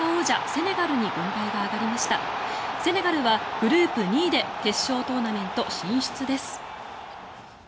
セネガルはグループ２位で決勝トーナメント進出です。